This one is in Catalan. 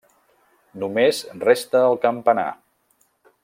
Només resta el campanar.